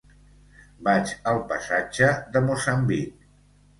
Vaig al passatge de Moçambic.